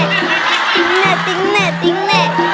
ติ๊งแน่ติ๊งแน่ติ๊งแน่